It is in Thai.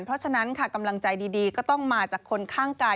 เพราะฉะนั้นค่ะกำลังใจดีก็ต้องมาจากคนข้างกาย